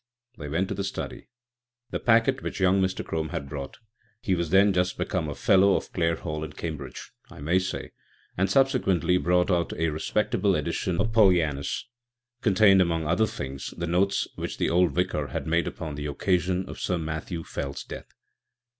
They went to the study. The packet which young Mr. Crome had brought â€" he was then just become a Fellow of Clare Hall in Cambridge, I may say, and subsequently brought out a respectable edition of Polyænus â€" contained among other things the notes which the old Vicar had made upon the occasion of Sir Matthew Fell's death.